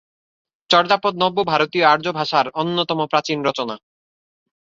চর্যাপদ নব্য ভারতীয় আর্য ভাষার অন্যতম প্রাচীন রচনা।